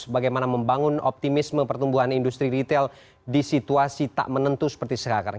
bagaimana membangun optimisme pertumbuhan industri retail di situasi tak menentu seperti sekarang